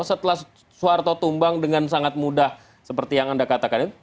setelah soeharto tumbang dengan sangat mudah seperti yang anda katakan itu